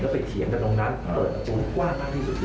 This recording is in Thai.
แล้วไปเถียงกันตรงนั้นเติบเปิดกว้างมากที่สุด